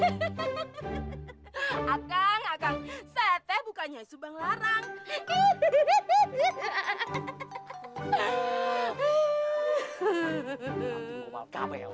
akang akang sete bukannya subang larang